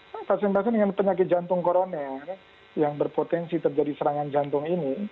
nah pasien pasien dengan penyakit jantung koroner yang berpotensi terjadi serangan jantung ini